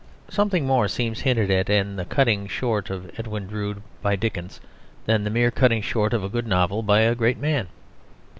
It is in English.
Something more seems hinted at in the cutting short of Edwin Drood by Dickens than the mere cutting short of a good novel by a great man.